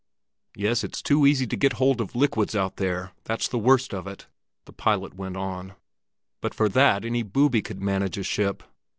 "Yes, it's too easy to get hold of liquids out there, that's the worst of it," the pilot went on. "But for that any booby could manage a ship.